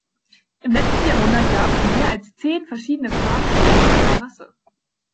Im letzten Jahrhundert gab es mehr als zehn verschiedene Farbschläge dieser Rasse.